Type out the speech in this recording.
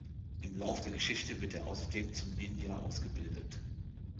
Im Lauf der Geschichte wird er außerdem zum Ninja ausgebildet.